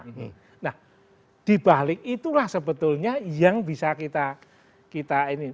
nah dibalik itulah sebetulnya yang bisa kita ini